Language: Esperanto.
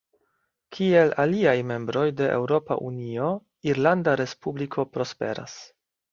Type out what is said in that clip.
Kiel aliaj membroj de Eŭropa Unio, Irlanda Respubliko prosperas.